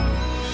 ya ke belakang